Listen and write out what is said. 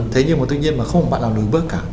thế nhưng mà tự nhiên không có bạn nào đối bước cả